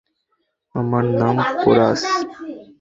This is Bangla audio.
আমার নাম পোরাস।